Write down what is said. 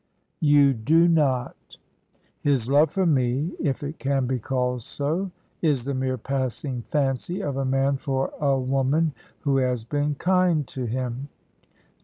"You do not. His love for me if it can be called so is the mere passing fancy of a man for a woman who has been kind to him."